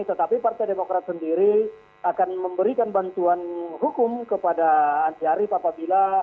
tetapi partai demokrat sendiri akan memberikan bantuan hukum kepada andi arief apabila